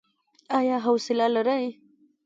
ایا حوصله لرئ؟